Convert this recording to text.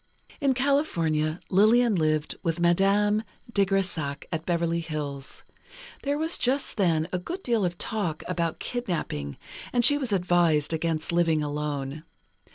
In California, Lillian lived with Madame de Grésac, at Beverly Hills. There was just then a good deal of talk about kidnapping, and she was advised against living alone.